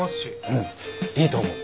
うんいいと思う。